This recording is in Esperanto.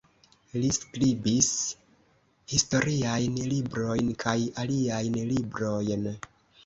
Li skribis historiajn librojn kaj aliajn librojn.